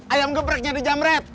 ayam gebreknya di jam rat